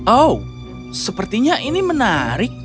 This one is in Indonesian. oh sepertinya ini menarik